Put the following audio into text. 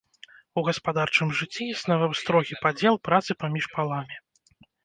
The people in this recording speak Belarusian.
У гаспадарчым жыцці існаваў строгі падзел працы паміж паламі.